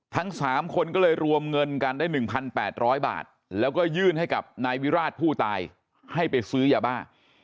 ทั้ง๓คนก็เลยรวมเงินกันได้๑๘๐๐บาทแล้วก็ยื่นให้กับนายวิราชผู้ตายให้ไปซื้อยาบ้า